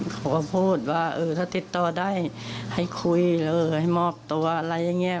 เขาก็พูดว่าเออถ้าติดต่อได้ให้คุยให้มอบตัวอะไรอย่างนี้